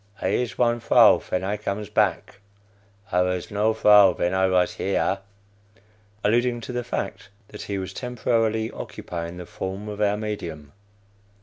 I is one vrow ven I comes back; I vas no vrow ven I vas here (alluding to the fact that he was temporarily occupying the form of our medium.)